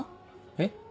えっ？